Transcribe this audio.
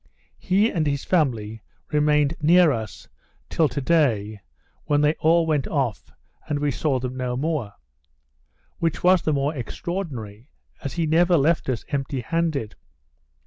He and his family remained near us till today, when they all went away, and we saw them no more; which was the more extraordinary, as he never left us empty handed.